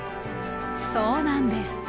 そうなんです。